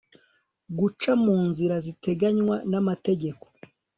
Guca mu nzira ziteganywa n amategeko